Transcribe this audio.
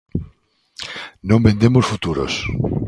Non vendemos futuros.